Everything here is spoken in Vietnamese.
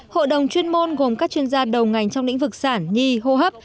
hội đồng chuyên môn gồm các chuyên gia đầu ngành trong lĩnh vực sản nhi hô hấp